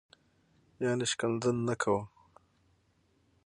یعنی شکنځل نه کوه